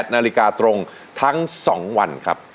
นาฬิกาตรงทั้ง๒วันครับ